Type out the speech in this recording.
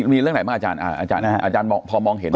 มีเรื่องไหนบ้างอาจารย์พอมองเห็น